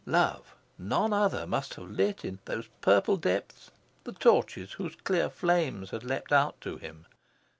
Love, none other, must have lit in those purple depths the torches whose clear flames had leapt out to him.